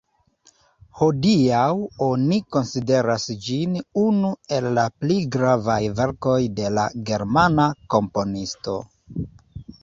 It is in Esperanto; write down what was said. Hodiaŭ oni konsideras ĝin unu el la pli gravaj verkoj de la germana komponisto.